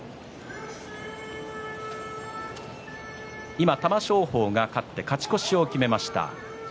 今、玉正鳳が勝って勝ち越しを決めました。